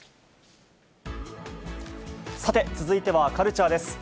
さて、続いてはカルチャーです。